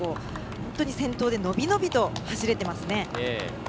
本当に先頭で伸び伸びと走れてますね。